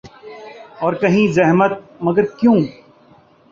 اور کہیں زحمت ، مگر کیوں ۔